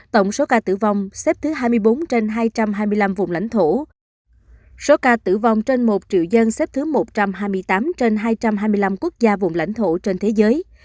tổng số ca tử vong xếp thứ hai mươi bốn trên hai trăm hai mươi năm vùng lãnh thổ số ca tử vong trên một triệu dân xếp thứ một trăm hai mươi tám trên hai trăm hai mươi năm quốc gia vùng lãnh thổ trên thế giới